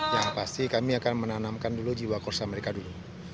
yang pasti kami akan menanamkan dulu jiwa korsa mereka dulu